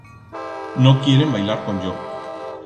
No quieren bailar con yo.